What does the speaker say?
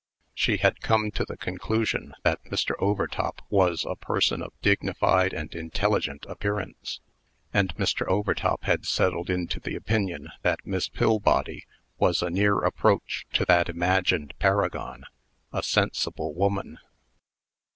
She had come to the conclusion that Mr. Overtop was a person of dignified and intelligent appearance. And Mr. Overtop had settled into the opinion that Miss Pillbody was a near approach to that imagined paragon a sensible woman.